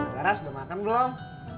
laras lo makan belum